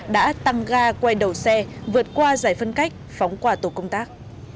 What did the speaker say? đã tăng ga quay đầu xe vượt qua giải phân cách phóng qua tổ công tác